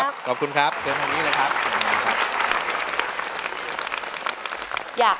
เดี๋ยวไปขออนุญาตส่งคุณป้าลงเวทีก่อนนะคะ